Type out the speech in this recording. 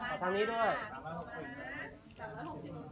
หมุนไปทางนี้ด้วยครับ